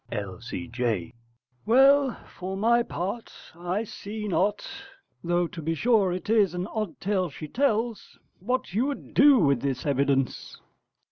L.C.J. Well, for my part, I see not though to be sure it is an odd tale she tells what you would do with this evidence.